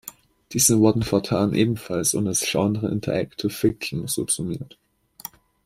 Diese wurden fortan ebenfalls unter das Genre Interactive Fiction subsumiert.